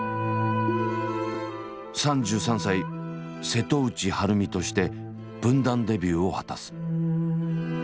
３３歳瀬戸内晴美として文壇デビューを果たす。